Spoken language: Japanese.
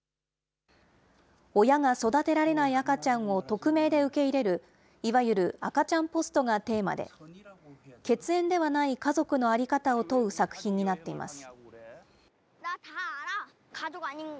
親が育てられない赤ちゃんを匿名で受け入れる、いわゆる赤ちゃんポストがテーマで、血縁ではない家族の在り方を問う作品になっています。